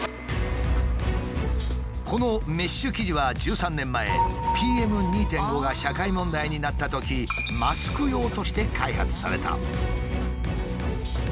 このメッシュ生地は１３年前ＰＭ２．５が社会問題になったときマスク用として開発された。